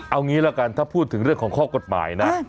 เอางี้ละกันถ้าพูดถึงเรื่องของข้อกฎหมายนะ